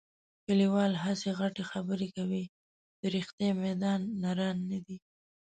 کلیوال هسې غټې خبرې کوي. د رښتیا میدان نران نه دي.